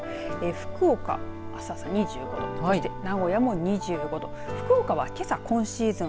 福岡あす朝２５度そして名古屋も２５度福岡は、けさ今シーズン